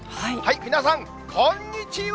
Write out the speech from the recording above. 皆さん、こんにちは！